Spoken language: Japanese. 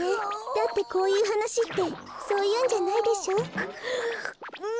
だってこういうはなしってそういうんじゃないでしょ？くっくっ。